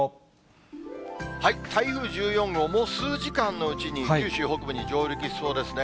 台風１４号、もう数時間のうちに九州北部に上陸しそうですね。